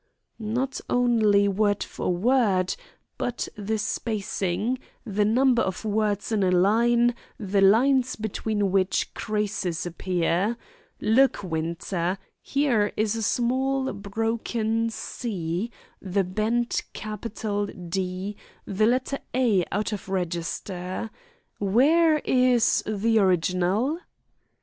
"Not only word for word, but the spacing, the number of words in a line, the lines between which creases appear. Look, Winter. Here is the small broken 'c,' the bent capital 'D,' the letter 'a' out of register. Where is the original?"